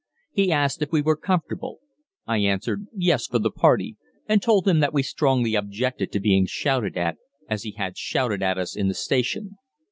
He asked if we were comfortable. I answered yes for the party, and told him that we strongly objected to being shouted at, as he had shouted at us in the station.